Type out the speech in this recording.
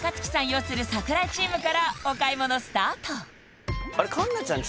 擁する櫻井チームからお買い物スタート！